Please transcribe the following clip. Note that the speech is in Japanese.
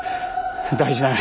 大事ない。